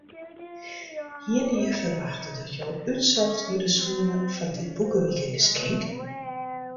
Hiene je ferwachte dat jo útsocht wurde soene foar dit boekewikegeskink?